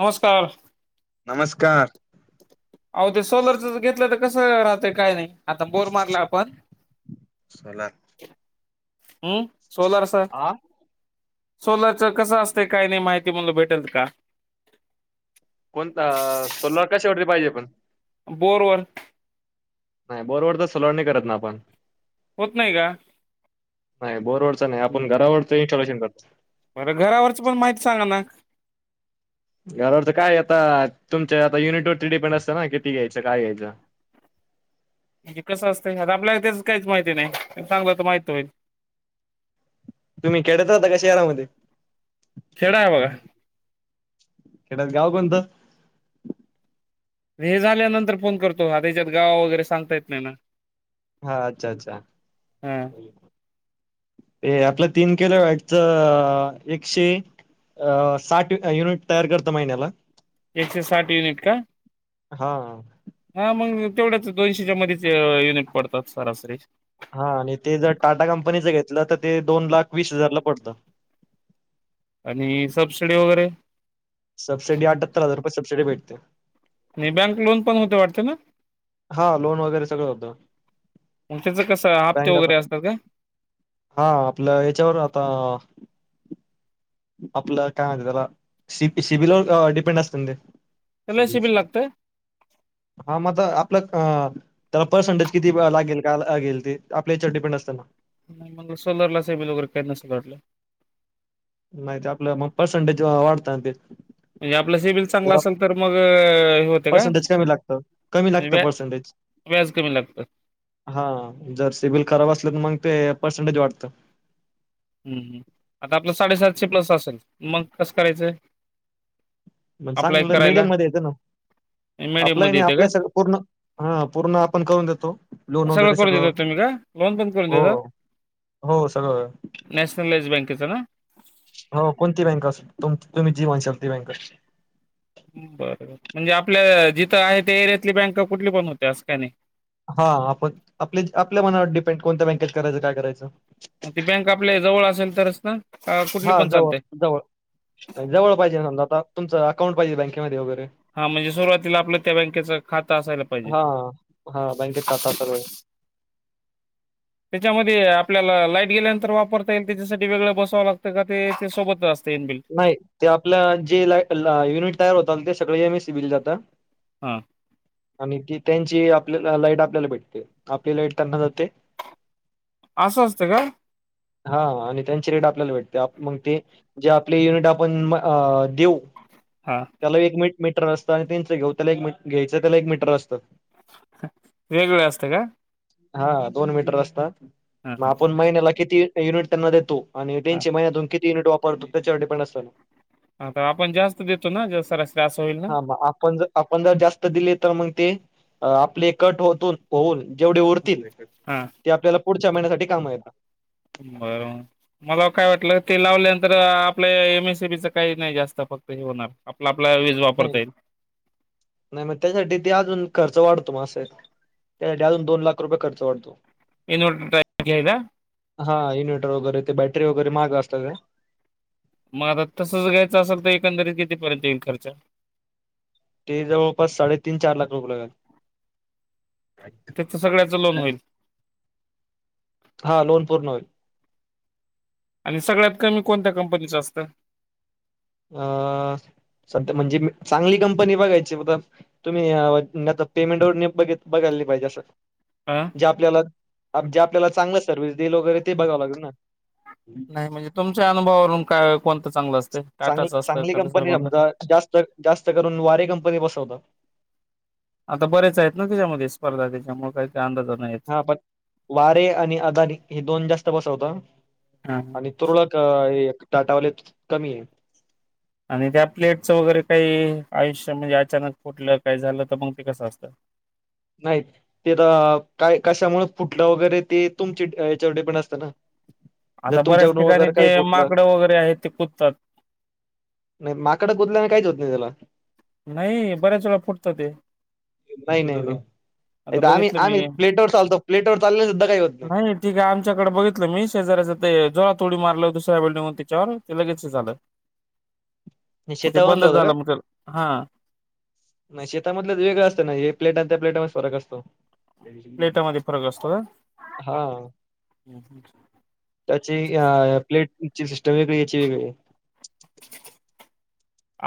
नमस्कार नमस्कार आलो ते सोलरच घेतलं तर कस राहतय काय नाही. आता बोर मारला आपण हम्म. सोलार स. हा सोलरच कसं असते काय नाही माहिती मला भेटेल का. कोणता सोलार का [unintelligible] पाहिजे आपण बोरवर. नाही बरोवर तर सोलार नाही करत ना आपण. होत नाही का? नाही बोरवर च नाही आपण घरावरच [unintelligible] बरं घरावरची पण माहिती सांगा ना. घरावरच काय आता तुमच्या आता युनिट वरती डिपेंड असतं ना किती घ्यायचं काय घ्यायचं. म्हणजे कसं असते आता आपल्याला त्याच काहीच माहिती नाही सांगाल तर माहिती होईल. तुम्ही खेड्यात राहता का शहरामध्ये? खेडं आहे बघा. खेड्यात गाव कोणत? हे झाल्यानंतर फोन करतो हाता त्याच्यात गावा वगैरे सांगता येत नाही ना. हा अच्छा अच्छा हा ते आपलं तीन किलो व्याटचं एकशे साठ युनिट तयार करत महिन्याला एक से साठ युनिट का? हा. हा मग तेवढ्याच दोनशेच्या मध्येच युनिट पडतात सरासरी हा आणि ते जर टाटा कंपनीच घेतलं तर ते दोन लाख वीस हजारला पडतं. आणि सबसिडी वगैरे. सबसिडी आठ्यातर हजार. सबसिडी भेटते. आणि बँक लोन पण होते वाटते ना? हा लोन वगैरे सगळं होत मग त्याचं कसं हप्ते बँक आता वगैरे असतात का हा आपलं याच्यावर आता आपलं काय म्हणत्यात त्याला सि सिबिलवर डिपेंड असत ना त्याला ते. सिबिल लागतं हा म तर आप तर पर्सेंटेज किती लागेल का लागेल ते आपल्या याच्यात डिपेंड असत ना. नाही मग सोलरला सिबिल वगैरे काही नसल वाटलं. नाही ते आपला मग पर्सेंटेज वाढत ना ते. म्हणजे आपलं सिबिल चांगला जरा असेल तर मग हे होते का पर्सेंटेज कमी लागतं कमी लागतं व्या पर्सेंटेज व्याज कमी लागत. हा जर सिबिल खराब असलं तर मग ते पर्सेंटेज वाढत. हम्म आता आपलं साडेसातशे प्लस असेल मग कसं करायचंय? म सांग मीडियम मध्ये येत ना मीडियम आप्लाय मध्ये नाही येते आप्लाय का सगळं पूर्ण हा पूर्ण आपण करून देतो. लोन सगळं वगैरे करून देतात तुम्ही का लोन पण करून हो देतात हो सगळं नॅशनलाइज बँक त्याचं ना. दिव्यांकश बर म्हणजे आपल्या जिथं आहे त्या एरियातली बँका कुठली पण होते अस काय नाही. हा आपण आपल्या आपल्या मनावर डिपेंड कोणत्या बँकेेत करायचं काय करायचं. म ती बँक आपल्या जवळ असेल तरच ना का कुठली हा पण जवळ चालते जवळ जवळ पाहिजे समजा आता तुमचं अकाउंट पाहिजे बँकमध्ये वगैरे हा म्हणजे सुरुवातीला आपलं त्या बँकेच खात असायला पाहिजे. हा हा बँकेत खाता असेल व्हय त्याच्यामध्ये आपल्याला लाईट गेल्यानंतर वापरता येईल त्याच्यासाठी वेगळं बसावं लागतं का ते सोबतच अस नाही ते आपल्या जे युनिट तयार होतात ते सगळं एम ए सी बील जात. हा. आणि ते त्यांची आपल्याला लाईट आपल्याला भेटते आपली लाईट त्यांना जाते. असं असतं का? हा आणि त्यांची रेट आपल्याला भेटते मग ते जे आपले युनिट आपण देऊ हा. त्याला एक मिनिटं मीटर असतं आणि तच घेऊ त्या एक घ्यायचं त्याला एक मीटर असतं. वेगवेळ असतं का? हा दोन मीटर असतात. हा मग हा आपण महिन्याला किती युनिट त्यांना देतो. आणि टीन हा महिन्यातून किती युनिट वापरतो. त्याच्यावर डिपेंड असेल. आता आपण जास्त देतो ना जर सरासरी असं होईल ना हा मग आपण जर आपण जर जास्त दिले तर मग ते अ आपले कट होतून होऊन जेवढे उरतील हा ते आपल्याला पुढच्या महिन्यासाठी काम येत. बर मला काय वाटलं ते लावल्यानंतर आपल्या एम एसीपीच काही नाही जास्त फक्त हे होणार आपलं नाही नाही मग त्यासाठी ते अजून खर्च वाढतो म त्यासाठी अजून दोन लाख रुपये खर्च वाढतो. [unintelligible] हा इन्व्हर्टर वगैरे ते बॅटरी वगैरे महाग असतात. मग आता तसच घ्यायचं असेल तर एकंदरीत घेतीपर्यंत येईल खर्च? ते जवळपास साडे तीन चार लाख रुपये लागल. त्याचं सगळ्याच लोन होईल? हा लोन पूर्ण होईल. आणि सगळ्यात कमी कोणत्या कंपनीचं असतं? अ सध्या म्हणजे चांगली कंपनी बघायचीता तुम्हीता पेमेंटवरनी बघ बघायले पाहिजे असं. हा जे आपल्याला जे आपल्याला चांगलं सर्वि्हस दिल वगैरे ते बघावं लागल ना. नाही म्हणजे तुमच्या अनुभवावरून काय कोणतं चांगलं असते. चांग चांगली कंपनी समजा जास्त जास्त करून वारे कंपनी शोधा. आता बरेच आहेत ना त्याच्यामध्ये स्पर्धा त्याच्यामुळे काय हा पण वारे आणि अदानी हे दोन जास्त बसवता हा आणि तुरळक टाटा वाले कमी आहे. आणि त्या प्लेटच वगैरे काही आयुष्य म्हणजे अचानक फुटलं काही झालं तर मग ते कसं असतं? नाही ते तर काय कशामुळे फुटलं वगैरे ते तुमचे याच्यावर डिपेंड असतं ना. जर आता बऱ्याच तुमच्याकडून ठिकाणी वगैरे ते काही फुटलं माकडं वगैरे आहेत ते कुदतात. नाही माकडं कुदल्याने काहीच होत नाही त्याला. नाही बऱ्याच वेळा फुटतं ते. नाही नाही नाही आता नाही तर आम्ही बघितलं आम्ही मी प्लेटवर चालतो प्लेटवर चालले सुद्धा काही होत नाही ठीक आहे आमच्याकडे बघितलं मी शेजऱ्याचं ते ला तोडी मारलं [unintelligible] त्यािच्यावर ते लगेच ही झालं मग ते शेता मदल बंदच होत का झालं मग हा नाही शेतामधलंच वेगळं असत ना हे प्लेट त्या प्लेटामध्ये फरक असतो प्लेटामध्ये फरक असतो का? हा हं, हं. [inaudible] त्याची आ प्लेट [unintelligible] वेगळी याची वेगळी आहे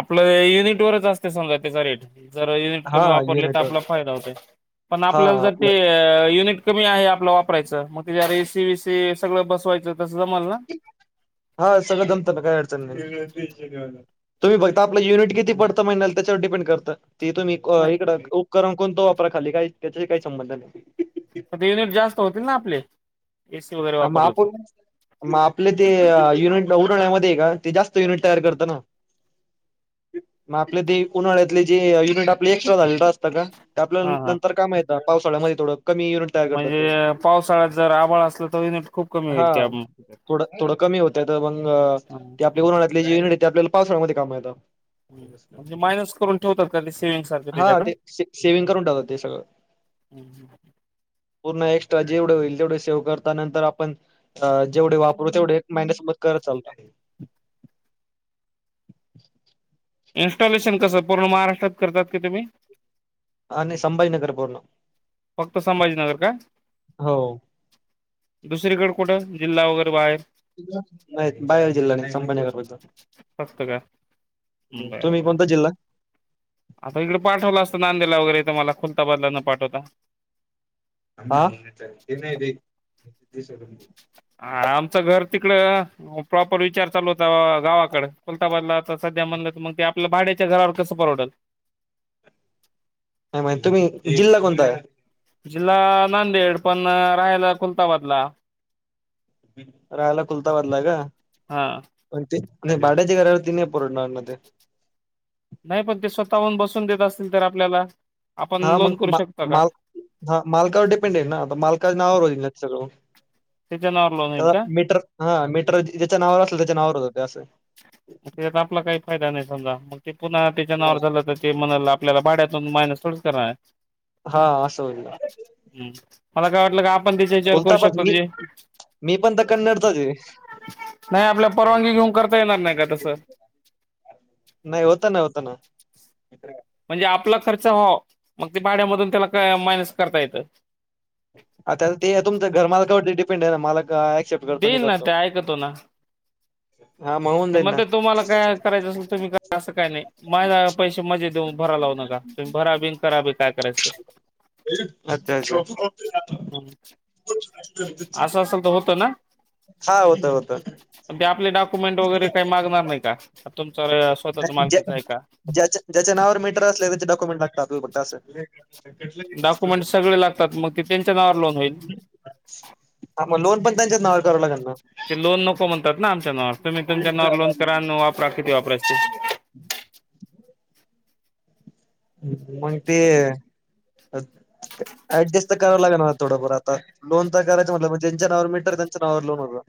आपलं युनिट वरच असतय समजा त्याचा रेट जर युनिट हा कमी वापरले तर युनिटवर आपला फायदा होतय पण हा आपल्याला जर ते आपलं युनि कमी आहे आपलं वापरायचं मग ते जर एसी बी सी सगळं बसवायचं तसं जमल ना हा सगळं जमत ना काही तुम्ही बघता आपलं युनिट किती पडतं महिन्याल ते तुम्ही क नाही इकड उपकरण कोणता वापरा खाली काही त्याच्या म ते युनिट जास्त होतील ना आपले एसी वगैरे ह मग वापरलं तर आपुण मग आपले ते युनिट [unintelligible] उन्हाळ्यामध्ये हाय का ते आपल्या हा हा नंतर का माहतात पावसाळ्या मध्ये थोडं कमी युनिट तयार करतात ते म्हणजे पावसाळ्यात जर आभळ असलं तर युनिट खूप कमी हा होईल त्या थोड थोडं कमी होत्यात मग हम्म. ते आपल्या युनिट ते आपल्याला पावसाळ्यामध्ये काम येता ह म्हणजे मायनस करून ठेवतात का ते सेविंग हा ते सेव्हिंग करून टाकतात ते सगळं जेवड होईल तेवड शेव कर त नंतर आपण इन्स्टॉलेशन कसं पूर्ण महाराष्ट्रात करतात की तुम्ही अ नाही संभाजी नगर पर्ण फक्त संभाजीनगर काय हो दुसरीकडे कुठं जिल्हा वगैरे बाहेर नाहीत बाहेर जिल्हा नाही संभाजीनगर पडत फक्त का बरं तुम्ही बरं कोणता जिल्हा आता इकडे पाठवला असत नांदेडला वैगरे आ [inaudible] [unintelligible] हा आमचं घर तिकडं प्रॉपर विचार चालू होता गावाकड चुलता बोला आता सध्या म्हणलं तर मग ते आपल्या भाड्याच्या घरावर कसं परवडल [unintelligible] तुम्ही जिल्हा कोणता आहे? जिल्हा नांदेड पण राहायला खुलताबादला राहायला खुलताबादला आहे का हा पण ते नाई भाडेच्या घरावरती नाही परवडणार ना ते नाही पण ते स्वतःहून बसून देत असतील तर आपल्याला आपण हा लोन मग करू मा शकतो का माल हा मालकावर डिपेंड आहे ना आता मालकाच्या नावावर होईल ना हॅलो. त्याच्या नावावर लोन होईल त्याला का मीटर हा मीटर ज्याच्या नावावर असल त्याच्या नावावरच होत. ते असं त्यात आपला काही फायदा नाही समजा मग ते पुन्हा त्याच्या नावावर झालं तर ते म्हणल आ आपल्याला भाड्यातून मायनस थोडीच करणारय हा असं ह्यायलं मला काय वाटलं का आपण त्याच्या ह्याच्यावर करू बोलता प शकतो मी म्हणजे मी पण तर कन्नडचाच आहे. नाही आपल्या परवानगी घेऊन करता येणार नाही का तस नाही होतं [inaudible] म्हणजे आपला खर्च व्हावं मग ते भाड्यामधून त्याला क मायनस करता येतं. आता ते तुमच घरमालकावरती डिपेंड आहे ना मालक ऍक्सेप्ट करतो नाही देईल ना करतो ते ऐकतो ना हा होऊन ते जाईल मग ना ते तुम्हाला काय करायचं असेल तुम्ही असं काय नाही माझा पैसे मजे देऊन भरा लावू नका तुम्ही भरा बी कराबी काय करायचं अच्छा ते अच्छा ह असं असल तर होत ना. हा होत होत पण ते आपले डॉक्युमेंट वगैरे काही मागणार नाही का? तुमचा स्वतःच ज्या मालकीचा आहे का ज्याच्या ज्याच्या नावावर मीटर असले त्याचे डॉक्युमेंट लाग बता अस डॉक्युमेंट सगळे लागतात मग ते त्यांच्या नावावर लोन होईल. हा मग लोन पण त्यांच्याच नावावर कराव लागण ना. ते लोन नको म्हणतात ना आमच्या नावावर तुम्ही तुमच्या नावावर लोन करा आणि वापरा किती वापरायच ते अ [inaudible] [inaudible] मग ते ऍडजस्ट तर करावं लागेल ना थोडंफार आता, लोन तर करायच म्हटलं ज्यांच्या नावावर मीटर त्यांच्या नावावर लोन होत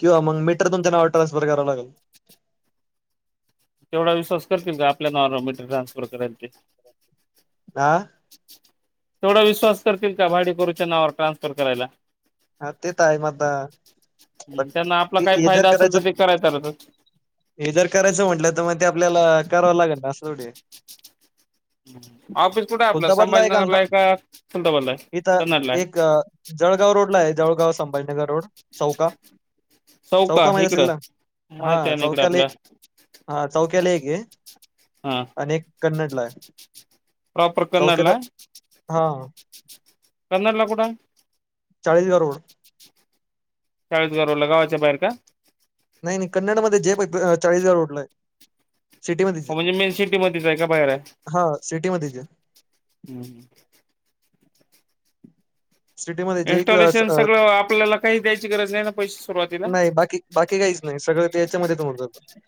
किंवा मग मीटर तुमच्या नावावर ट्रान्सफर करावं लागल. तेवढा विश्वास करतील का? आपल्या नावावर मीटर ट्रान्सफर करायला ते. आ तेवढा विश्वास करतील का? भाडीकरूच्या नावावर ट्रान्सफर करायला. हा तेच आहे म अता त्यांना आपला ते काही हे जर फायदा असेल तर करायचं ते करायच हे जर करायचं म्हटलं तर मग ते आपल्याला कराव लागन अस थोडीये. ऑफिस कुठे आहे आपलं संभाजीनगरला आहे का? फलताबादला आहे कन्नाडला आहे? जवळगाव संभाजीनगर रोड चौका चौका माहित असेल ना? इकडं माहिती हा आहे ना इकडं चौक्याले आपला हा चौक्याले एक ये. हा अनेक कन्नडलाय. प्रॉपर कन्नडला? हा कन्नडला कुठाय? चाळीसगा रोड. चाळीसगा रोडला गावाच्या बाहेर का? नाही नाही कन्नड मध्ये जे प प चाळीसगा रोडलाय. हो म्हणजे मेन सिटीमध्येच आहे का बाहेर आहे? हा सिटीमध्येच आहे. हम्म. सिटीमध्ये जे क्लास इन्स्टॉलेशन सगळं आपल्याला काही द्याची गरज नाही ना? पैसे सुरुवातीला नाही बाकी बाकी काहीच नाही. सगळं ते हेच्यामध्येच होऊन जातं.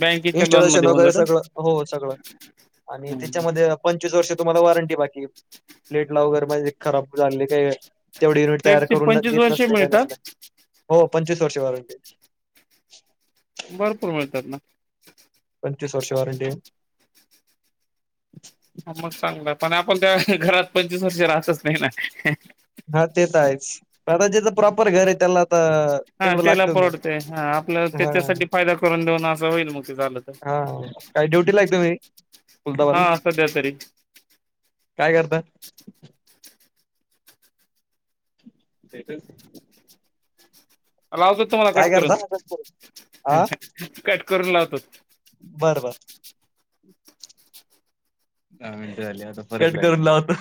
बँकेच्या लोन इनस्टॉलेशन मध्ये होऊन वगैरे सगळं हो सगळं, आणि जातं त्याच्यामध्ये पंचवीस वर्ष तुम्हाला वॉरंटी बाकी प्लेट ला वगैरे म्हणजे खराब झाले काही तेवढे युनिट तयार प्लेटचे करून पंचवीस देत वर्षे नसले काही मिळतात नसले, हो. पंचवीस वर्ष वॉरंटी. भरपूर मिळतात ना. पंचवीस वर्ष वारंटी आहे. हा मग चांगलं पण आपण त्या घरात पंचवीस वर्ष राहतच नाही ना. हा ते तर आहेच. दादा जेच प्रॉपर घर आहे त्याला तर हा तेवढं त्याला लागत ना. परवडते हा आपल्या हा त्याच्यासाठी फायदा करून देऊन असं होईल मग ते झालं तर हा काही ड्युटी लागते ना. हा सध्या तरी. काय करता? स्टेटस लावतो तुम्हाला कट करून, करता हा कट करून लावतो. दहा मिनट झाली आता परत, कट करून लावतो.